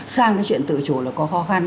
sang cái chuyện tự chủ là có khó khăn